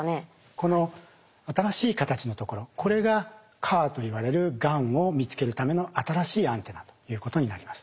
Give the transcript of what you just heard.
この新しい形のところこれが「ＣＡＲ」といわれるがんを見つけるための新しいアンテナということになります。